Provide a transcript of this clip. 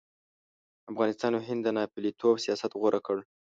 افغانستان او هند د ناپېلتوب سیاست غوره کړ.